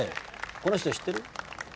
この人知ってる？